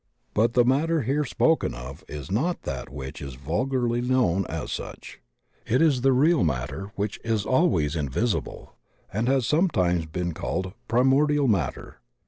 But the Matter here spoken of is not that which is vulgarly known as such. It is the real Matter which is always invisible, and has sometimes been called Pri mordial Matter.